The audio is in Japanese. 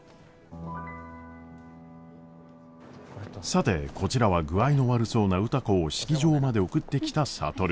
さてこちらは具合の悪そうな歌子を式場まで送ってきた智。